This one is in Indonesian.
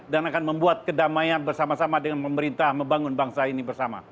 dan akan membuat kedamaian bersama sama dengan pemerintah membangun bangsa ini bersama